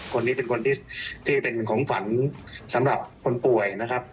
คนนี้เป็นคนที่เป็นของฝันสำหรับคนป่วยนะครับ